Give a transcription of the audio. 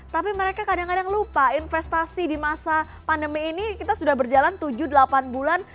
tapi mereka kadang kadang lupa investasi di masa pandemi ini kita sudah berjalan tujuh delapan bulan